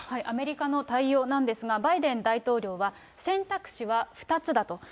アメリカの対応なんですが、バイデン大統領は、選択肢は２つだと。